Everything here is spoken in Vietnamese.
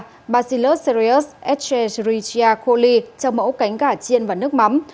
vi khuẩn salmonella bacillus cereus echerichia coli trong mẫu cánh gà chiên và nước mắm